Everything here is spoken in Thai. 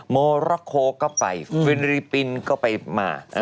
มอราโคก็ไปฟินริปินก็ไปมา